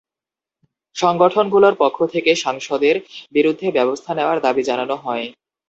সংগঠনগুলোর পক্ষ থেকে সাংসদের বিরুদ্ধে ব্যবস্থা নেওয়ার দাবি জানানো হয়।